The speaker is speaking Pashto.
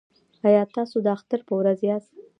ایا تاسو د اختر په ورځ یاست؟